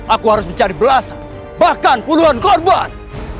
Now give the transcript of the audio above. aku harus mencari belas bahkan puluhan korban